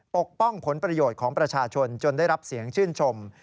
ปกป้องผลประโยชน์ของประชาชนจนได้รับเสียงชื่นชม